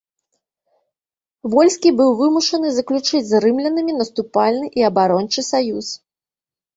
Вольскі былі вымушаны заключыць з рымлянамі наступальны і абарончы саюз.